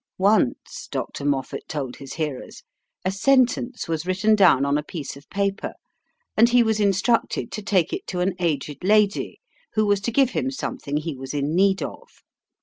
Once, Dr. Moffat told his hearers, a sentence was written down on a piece of paper, and he was instructed to take it to an aged lady, who was to give him something he was in need of.